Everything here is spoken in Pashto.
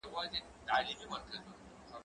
زه اوږده وخت ليک لولم وم،